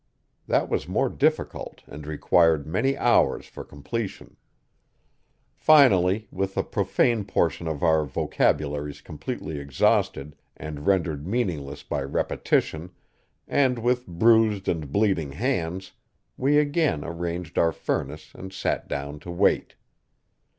That was more difficult and required many hours for completion. Finally, with the profane portion of our vocabularies completely exhausted and rendered meaningless by repetition, and with bruised and bleeding hands, we again arranged our furnace and sat down to wait.